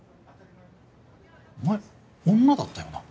お前女だったよな？